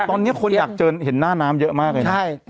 ตอนนี้คนอยากเจอเห็นหน้าน้ำเยอะมากเลยนะ